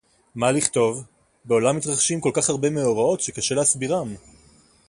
מה לכתוב? – בעולם מתרחשים כל־כך הרבה מאורעות שקשה להסבירם.